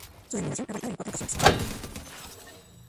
Su denominación ha variado en cuatro ocasiones.